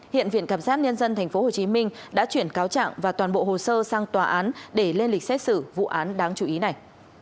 hiện viện cảm giác nhân dân tp hcm đã chuyển cáo trạng và toàn bộ hồ sơ sang tòa án để lên lịch xét xử vụ án đáng chú ý này